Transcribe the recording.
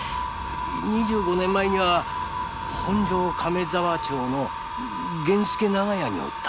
二十五年前には本所亀沢町の源助長屋におった。